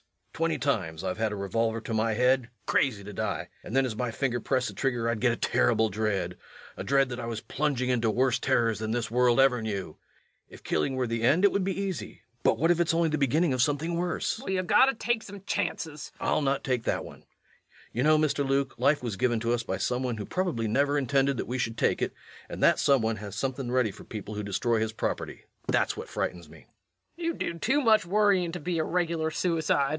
Twenty times I've had a revolver to my head crazy to die and then as my finger pressed the trigger I'd get a terrible dread a dread that I was plunging into worse terrors than this world ever knew. If killing were the end it would be easy, but what if it's only the beginning of something worse? LUKE. Well, you gotta take some chances. REVENUE. I'll not take that one. You know, Mr. Luke, life was given to us by some one who probably never intended that we should take it, and that some one has something ready for people who destroy his property. That's what frightens me. LUKE. You do too much worryin' to be a regular suicide. REVENUE.